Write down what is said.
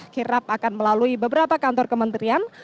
kirap akan melalui beberapa kantor kementerian